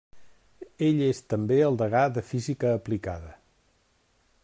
Ell és també el degà de Física Aplicada.